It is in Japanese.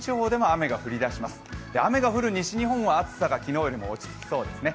雨が降る西日本は暑さが昨日よりも落ち着きそうですね。